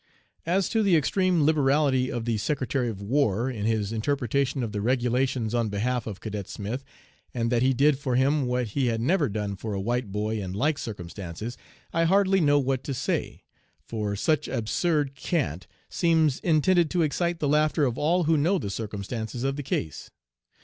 "As to the extreme liberality of the Secretary of War, in his interpretation of the regulations on behalf of Cadet Smith, and that he did for him what he had never 'done for a white boy in like circumstances,' I hardly know what to say; for such absurd cant seems intended to excite the laughter of all who know the circumstances of the case.